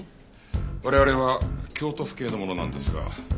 我々は京都府警の者なんですが。